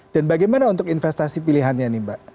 dan bagaimana untuk investasi pilihannya mbak